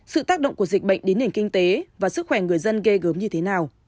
sự tác động của dịch bệnh đến nền kinh tế và sức khỏe người dân ghê gớm như thế nào